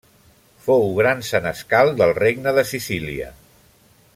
Fou gran senescal del regne de Sicília.